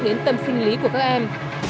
đến tâm sinh lý của các em